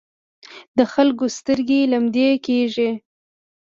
د خلکو سترګې لمدې کېږي.